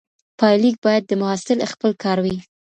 پایلیک باید د محصل خپل کار وي.